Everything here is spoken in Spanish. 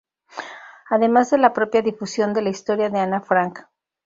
Además de la propia difusión de la historia de Ana Frank.